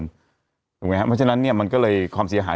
เพราะฉะนั้นเนี่ยมันก็เลยความเสียหาย